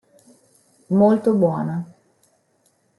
Molto buona.